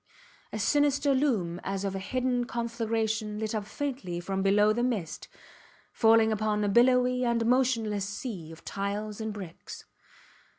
A sinister loom as of a hidden conflagration lit up faintly from below the mist, falling upon a billowy and motionless sea of tiles and bricks.